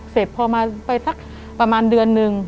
เสร็จพอมาไปสักประมาณเดือนนึง